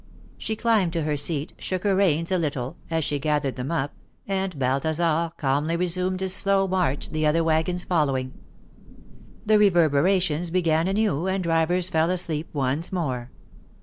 She climbed to her seat, shook her reins a little, as she gathered them up, and Balthasar calmly resumed his slow march, the other wagons following. The reverberations began anew, and drivers fell asleep once more.